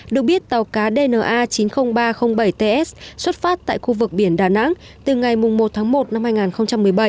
được biết tàu cá dna chín mươi nghìn ba trăm linh bảy ts xuất phát tại khu vực biển đà nẵng từ ngày một tháng một năm hai nghìn một mươi bảy